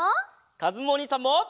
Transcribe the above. かずむおにいさんも！